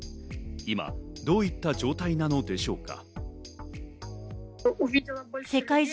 今どういった状態なのでしょうか。